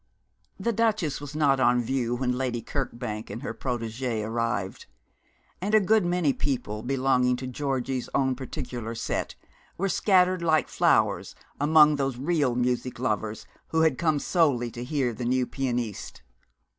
The duchess was not on view when Lady Kirkbank and her protégée arrived, and a good many people belonging to Georgie's own particular set were scattered like flowers among those real music lovers who had come solely to hear the new pianiste.